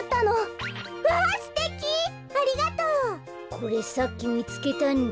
これさっきみつけたんだ。